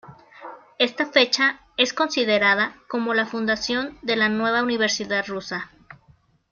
Esta fecha es considerada como la fundación de la nueva universidad rusa.